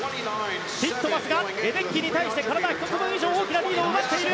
ティットマスがレデッキーに対して体１つ分以上大きなリードを奪っている。